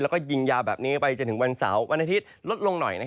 แล้วก็ยิงยาวแบบนี้ไปจนถึงวันเสาร์วันอาทิตย์ลดลงหน่อย